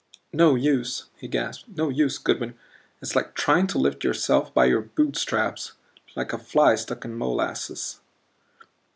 "No use," he gasped, "no use, Goodwin. It's like trying to lift yourself by your boot straps like a fly stuck in molasses."